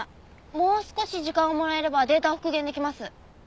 もう少し時間をもらえればデータを復元できます。